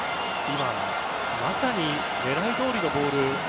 今まさに狙いどおりのボール。